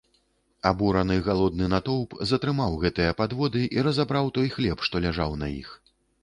Абураны галодны натоўп затрымаў гэтыя падводы і разабраў той хлеб, што ляжаў на іх.